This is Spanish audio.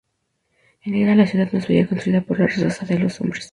Era la ciudad más bella construida por la raza de los Hombres.